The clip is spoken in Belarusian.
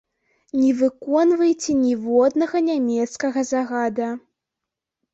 Не выконвайце ніводнага нямецкага загада!